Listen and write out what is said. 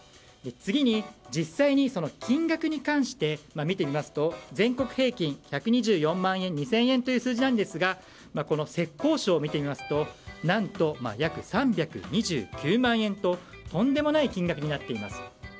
次に、実際に金額に関して見てみますと全国平均１２４万２０００円という数字ですが浙江省を見てみますと約３２９万円ととんでもない金額になっています。